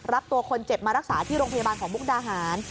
รับตัวคนเจ็บมารักษาที่โรงพยาบาลของมุกดาหาร